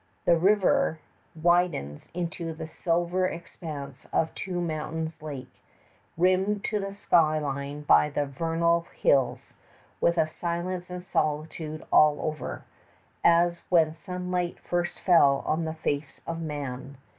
The river widens into the silver expanse of Two Mountains Lake, rimmed to the sky line by the vernal hills, with a silence and solitude over all, as when sunlight first fell on face of man.